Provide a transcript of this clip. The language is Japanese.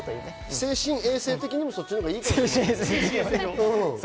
精神衛生的にもそっちのほうがいいですね。